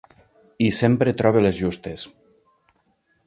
I sempre troba les justes.